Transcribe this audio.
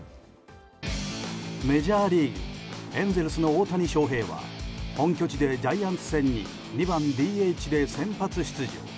メジャーリーグエンゼルスの大谷翔平は本拠地でのジャイアンツ戦に２番ＤＨで先発出場。